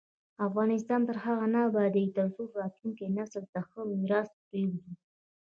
افغانستان تر هغو نه ابادیږي، ترڅو راتلونکي نسل ته ښه میراث پریږدو.